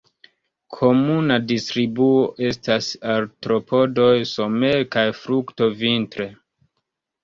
Komuna distribuo estas artropodoj somere kaj frukto vintre.